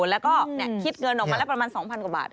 แล้วก็คิดเงินออกมาแล้วประมาณ๒๐๐กว่าบาท